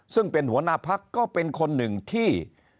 ซึ่งเป็นหัวหน้าพักก็เป็นคนหนึ่งที่